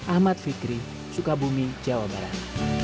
ahmad fikri sukabumi jawa barat